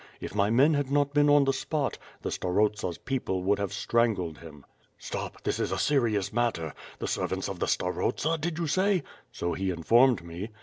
If my men had not been on the spot, the starosta's people would have strangled him." "Stop, this is a serious matter. The servants of the star osta dia you say?" "So he informed me."